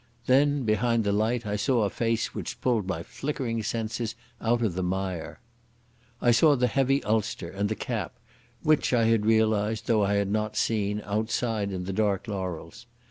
Then behind the light I saw a face which pulled my flickering senses out of the mire. I saw the heavy ulster and the cap, which I had realised, though I had not seen, outside in the dark laurels.